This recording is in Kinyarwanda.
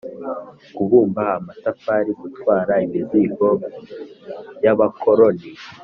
kubumba amatafari, gutwara imizigo y’abakoloni